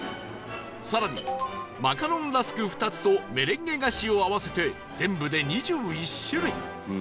更にマカロンラスク２つとメレンゲ菓子を合わせて全部で２１種類